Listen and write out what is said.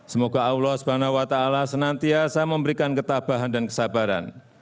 semoga allah swt senantiasa memberikan ketabahan dan kesabaran